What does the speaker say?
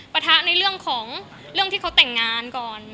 ประทะในเรื่องของเรื่องที่เขาแต่งงานก่อน